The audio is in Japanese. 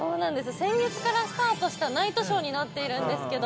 先月からスタートしたナイトショーになっているんですけど。